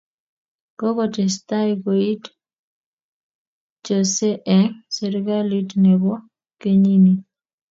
Kokotestai koit chorsee eng serikalit ne bo kenyii ni.